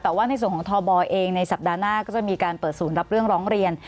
แต่ว่าในส่วนของทบเองในสัปดาห์หน้าก็จะมีการเปิดศูนย์รับเรื่องร้องเรียน